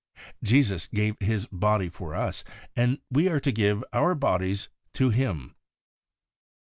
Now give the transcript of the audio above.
Jesus gave His body for us, and we are to give our bodies to Him.